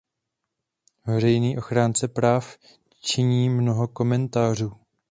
Veřejný ochránce práv činí mnoho komentářů.